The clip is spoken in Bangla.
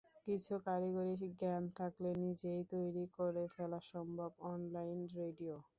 কিছু কারিগরি জ্ঞান থাকলে নিজেই তৈরি করে ফেলা সম্ভব অনলাইন রেডিও।